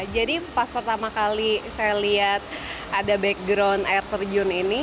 jadi pas pertama kali saya lihat ada background air terjun ini